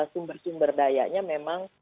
sumber sumber dayanya memang